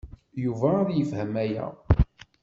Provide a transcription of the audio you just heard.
Yuba ad yefhem aya.